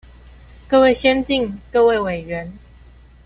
各位先進、各位委員